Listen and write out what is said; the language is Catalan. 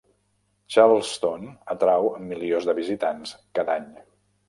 Charleston atrau milions de visitants cada any.